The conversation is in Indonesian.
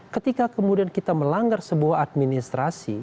ketika kemudian kita melanggar sebuah administrasi